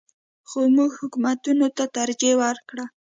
خو موږ حکومتونو ته ترجیح ورکړه.